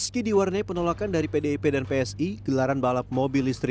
kita bicara menggelar interpelasi